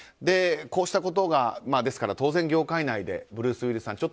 こうしたことがですから当然、業界内でブルース・ウィリスさん